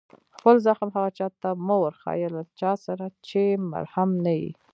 خپل زخم هغه چا ته مه ورښيه، له چا سره چي ملهم نه يي.